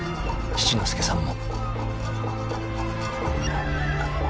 ［七之助さんも］